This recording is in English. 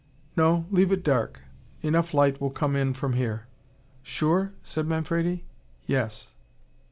"No leave it dark. Enough light will come in from here." "Sure?" said Manfredi. "Yes."